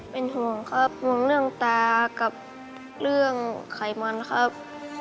เป็นห่วงครับห่วงเรื่องตากับเรื่องไขมันครับ